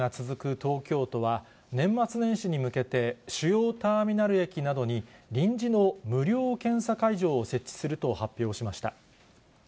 東京都は、年末年始に向けて、主要ターミナル駅などに臨時の無料検査会場を設置すると発表しました。